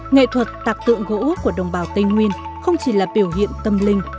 nghệ thuật tạc tượng gỗ của đồng bào tây nguyên không chỉ là biểu hiện tâm linh